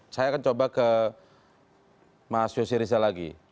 saya akan coba ke mas yosirisa lagi